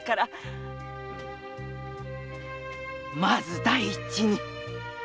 まず第一に。